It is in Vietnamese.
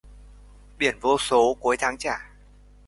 Biên vô sổ, cuối tháng trả